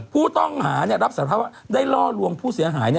ผู้ต้องหารับสารภาพว่าได้ล่อลวงผู้เสียหาย